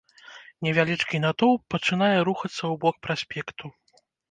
Невялічкі натоўп пачынае рухацца ў бок праспекту.